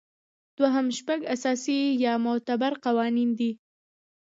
دوهم شپږ اساسي یا معتبر قوانین دي.